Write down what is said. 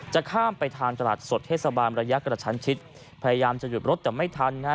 จะข้ามไปทางตลาดสดเทศบาลระยะกระชั้นชิดพยายามจะหยุดรถแต่ไม่ทันนะฮะ